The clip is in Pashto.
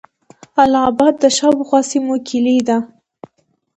اله آباد د شاوخوا سیمو کیلي وه.